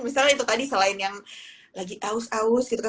misalnya itu tadi selain yang lagi aus aus gitu kan